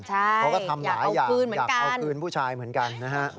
เขาก็ทำหลายอย่างอยากเอาคืนผู้ชายเหมือนกันนะฮะ